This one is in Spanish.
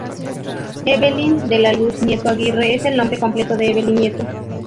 Evelyn de la Luz Nieto Aguirre es el nombre completo de Evelyn Nieto.